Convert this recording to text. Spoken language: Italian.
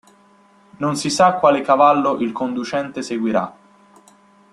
Non si sa quale cavallo il conducente seguirà.